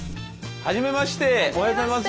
はじめましておはようございます。